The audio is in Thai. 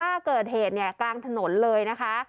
ถ้าเกิดเหตุเนี่ยกลางถนนเลยนะคะ